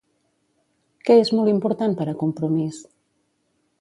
Què és molt important per a Compromís?